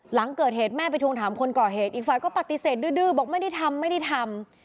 หลังเกิดเหตุแม่ไปทวงถามคนก่อเหตุอีกฝ่ายก็ปฏิเสธดื้อบอกไม่ได้ทำไม่ได้ทำ